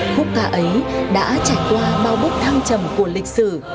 khúc ca ấy đã trải qua bao bức thăng trầm của lịch sử